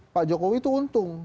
pak jokowi itu untung